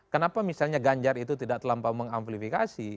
kenapa misalnya ganjar itu tidak terlampau mengamplifikasi